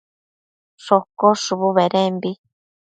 shocosh shubu bedembi